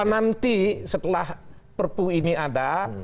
nanti setelah perpu ini ada